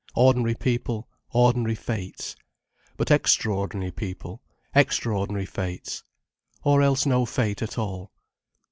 Ordinary people, ordinary fates. But extraordinary people, extraordinary fates. Or else no fate at all.